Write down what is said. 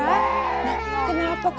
itu anak sama cucu saya datang pak